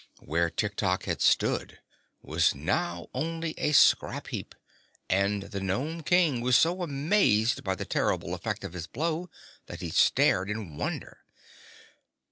Where Tiktok had stood was now only a scrap heap and the Nome King was so amazed by the terrible effect of his blow that he stared in wonder.